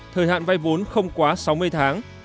thời hạn vay vốn không quá sáu mươi tháng